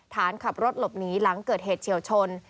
ฐานขับรถหลบหนีหลังเกิดเหตุเฉียวชน